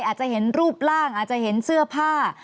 อาจจะเห็นรูปร่างอาจจะเห็นเสื้อผ้า